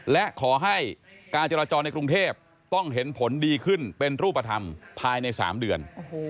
และขอให้การจราจรในกรุงเทพต้องเห็นผลดีขึ้นเป็นรูปธรรมภายใน๓เดือน